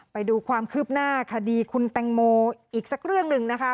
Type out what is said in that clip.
ไปดูความคืบหน้าคดีคุณแตงโมอีกสักเรื่องหนึ่งนะคะ